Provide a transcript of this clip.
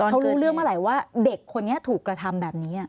เขารู้เรื่องเมื่อไหร่ว่าเด็กคนนี้ถูกกระทำแบบนี้